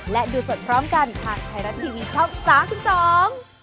และดูสดพร้อมกันทางไทยรัฐทีวีช่อง๓๒